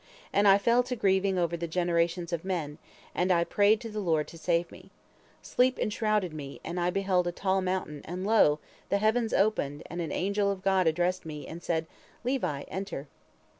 And I fell to grieving over the generations of men, and I prayed to the Lord to save me. Sleep enshrouded me, and I beheld a tall mountain, and lo! the heavens opened, and an angel of God addressed me, and said: 'Levi, enter!'